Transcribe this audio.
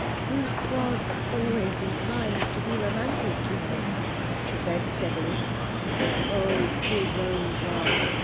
'Bruce was always inclined to be romantic, you know,' she said steadily. 'Oh, give over!'